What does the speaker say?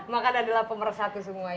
makan adalah pemersatu semuanya